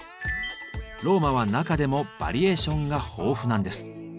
ローマは中でもバリエーションが豊富なんです。